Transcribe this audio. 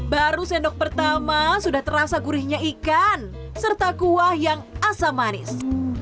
baru sendok pertama sudah terasa gurihnya ikan serta kuah yang asam manis